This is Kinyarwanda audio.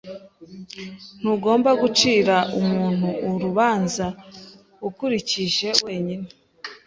Ntugomba gucira umuntu urubanza ukurikije wenyine.